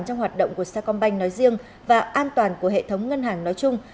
trong hoạt động của sa công banh nói riêng và an toàn của hệ thống ngân hàng nói chung